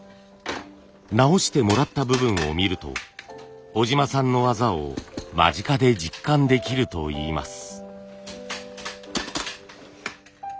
直してもらった部分を見ると小島さんの技を間近で実感できるといいます。